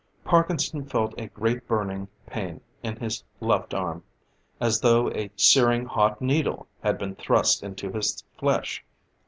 Parkinson felt a great burning pain in his left arm, as though a searing, hot needle had been thrust into his flesh.